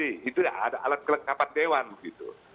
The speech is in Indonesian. itu ada alat kelengkapan dewan gitu